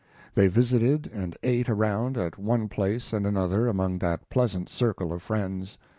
They visited and ate around at one place and another among that pleasant circle of friends.